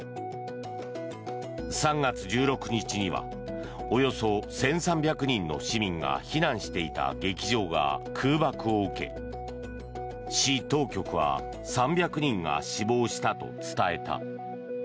３月１６日にはおよそ１３００人の市民が避難していた劇場が空爆を受け市当局は３００人が死亡したと伝えた。